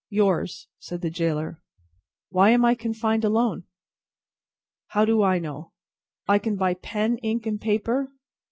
"Yours," said the gaoler. "Why am I confined alone?" "How do I know!" "I can buy pen, ink, and paper?"